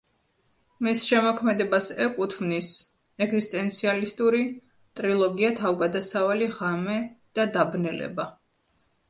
მის შემოქმედებას ეკუთვნის ეგზისტენციალისტური ტრილოგია: „თავგადასავალი“, „ღამე“ და „დაბნელება“.